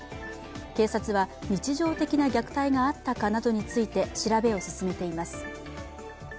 警察は日常的な虐待があったかなどについて調べを進めています。